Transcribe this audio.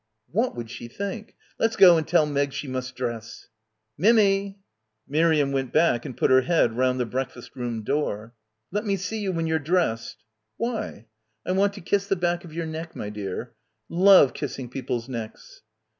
"What would she think? Let's go and tell Meg she must dress." "Mimmy !" Miriam went back and put her head round the breakfast room door. "Let me see you when you're dressed." "Why?" "I want to kiss the back of your neck, my dear; love kissing people's necks."